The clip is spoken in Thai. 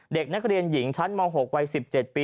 เด็กนักเรียนหญิงชั้นม๖วัย๑๗ปี